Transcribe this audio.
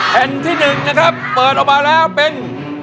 แผ่นที่๑นะครับเปิดออกมาแล้วเป็น